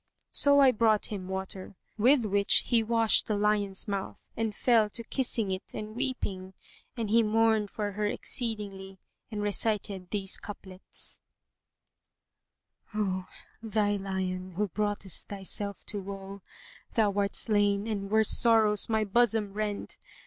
So I brought him water, with which he washed the lion's mouth and fell to kissing it and weeping; and he mourned for her exceedingly and recited these couplets:— Ho thou lion who broughtest thyself to woe, * Thou art slain and worse sorrows my bosom rend!